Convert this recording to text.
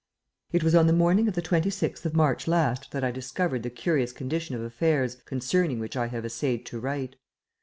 It was on the morning of the 26th of March last that I discovered the curious condition of affairs concerning which I have essayed to write.